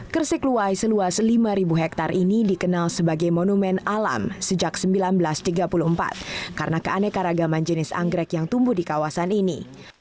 kersikluwai seluas lima hektare ini dikenal sebagai monumen alam sejak seribu sembilan ratus tiga puluh empat karena keanekaragaman jenis anggrek yang tumbuh di kawasan ini